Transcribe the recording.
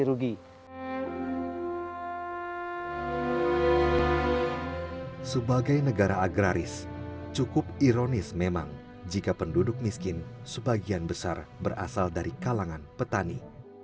sebagai negara agraris cukup ironis memang jika penduduk miskin sebagian besar berasal dari kalangan petani